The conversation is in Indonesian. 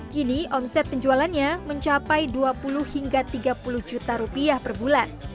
kini omset penjualannya mencapai dua puluh hingga tiga puluh juta rupiah per bulan